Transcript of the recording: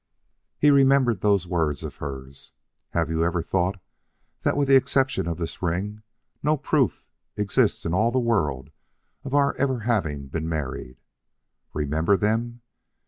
He had remembered those words of hers: "Have you ever thought that with the exception of this ring no proof exists in all the world of our ever having been married?" Remember them?